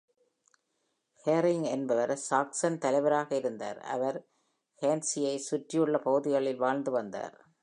ஹேரிங் என்பவர் சாக்சன் தலைவராக இருந்தார், அவர் ஹார்ன்ஸியைச் சுற்றியுள்ள பகுதிகளில் வாழ்ந்து வந்தார்.